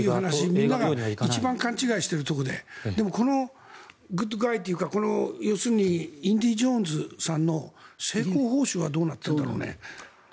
みんなが一番勘違いしているところででも、このグッドガイというか要するにインディ・ジョーンズさんの成功報酬はどうなってるんだろうね。